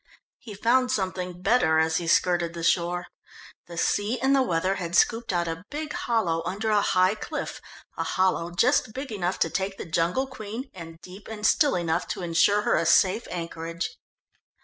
He found something better as he skirted the shore. The sea and the weather had scooped out a big hollow under a high cliff, a hollow just big enough to take the Jungle Queen and deep and still enough to ensure her a safe anchorage.